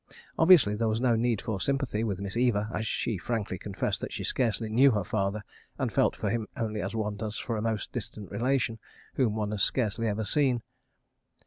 Obviously there was no need for sympathy with Miss Eva as she frankly confessed that she scarcely knew her father and felt for him only as one does for a most distant relation, whom one has scarcely ever seen.